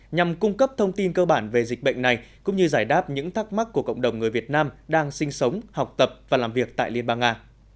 nhằm cung cấp thông tin cơ bản về dịch bệnh này cũng như giải đáp những thắc mắc của cộng đồng người việt nam đang sinh sống học tập và làm việc tại liên bang nga